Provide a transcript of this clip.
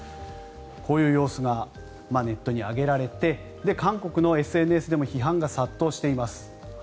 こういう様子がネットに上げられて韓国のＳＮＳでも批判が殺到しています。